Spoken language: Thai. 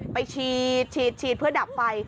ไปฉีดเพื่อดับไฟ